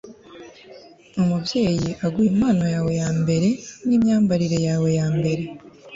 umubyeyi aguha impano yawe yambere nimyambarire yawe ya mbere